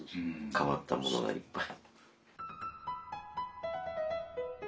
変わったものがいっぱい。